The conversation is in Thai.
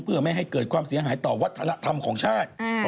เพื่อไม่ให้เกิดความเสียหายต่อวัฒนธรรมของชาติ